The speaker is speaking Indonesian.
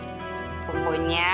pokoknya dengan cara apapun